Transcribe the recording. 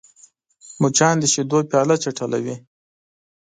مچان د شیدو پیاله چټله کوي